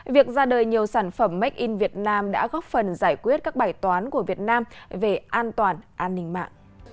việc ra đời nhiều sản phẩm make in việt nam đã góp phần giải quyết các bài toán của việt nam về an toàn an ninh mạng